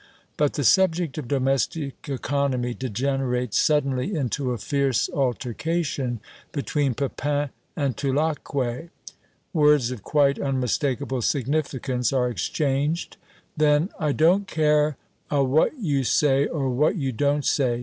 But the subject of domestic economy degenerates suddenly into a fierce altercation between Pepin and Tulacque. Words of quite unmistakable significance are exchanged. Then "I don't care a what you say or what you don't say!